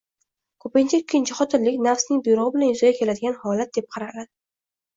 Ko'pincha ikkinchi xotinlik nafsning buyrug'i bilan yuzaga keladigan holat, deb qaraladi